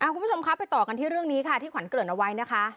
คุณผู้ชมครับไปต่อกันที่เรื่องนี้ค่ะที่ขวัญเกริ่นเอาไว้นะคะ